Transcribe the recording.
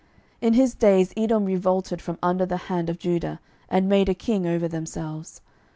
12:008:020 In his days Edom revolted from under the hand of Judah, and made a king over themselves.